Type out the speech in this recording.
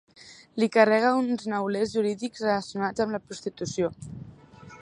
Li carrega uns neulers jurídics relacionats amb la prostitució.